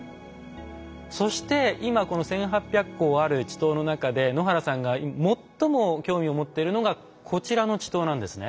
そして今この１，８００個ある池溏の中で野原さんが最も興味を持っているのがこちらの池溏なんですね。